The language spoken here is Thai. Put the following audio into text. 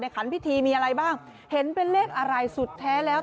ขันพิธีมีอะไรบ้างเห็นเป็นเลขอะไรสุดแท้แล้ว